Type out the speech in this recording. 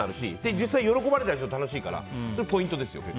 実際喜ばれたりすると楽しいからポイントですよ。